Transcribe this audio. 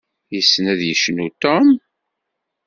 Yessen ad yecnu Ṭum?